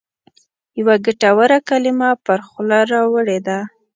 یوه ګټوره کلمه پر خوله راوړې ده.